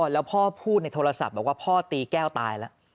แล้วพ่อพูดในโทรศัพท์บอกว่าพ่อตีแก้วตายแล้ว